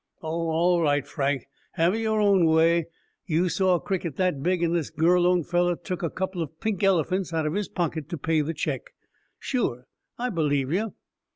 "Oh, all right, Frank. Have it your own way. You saw a cricket that big and this Gurlone feller took a couple of pink elephants out of his pocket to pay the check. Sure, I believe you."